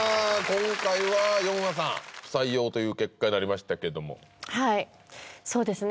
今回はヨンアさん不採用という結果になりましたけどもはいそうですね